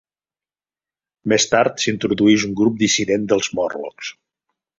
Més tard, s'introdueix un grup dissident dels Morlocks.